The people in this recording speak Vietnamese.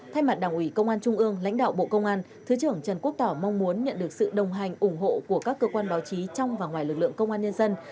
thay mặt đảng ủy công an trung ương lãnh đạo bộ công an thứ trưởng trần quốc tỏ mong muốn nhận được sự đồng hành ủng hộ của các cơ quan báo chí trong và ngoài lực lượng công an nhân dân